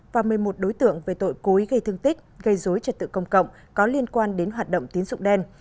và một mươi một đối tượng về tội cố ý gây thương tích gây dối trật tự công cộng có liên quan đến hoạt động tín dụng đen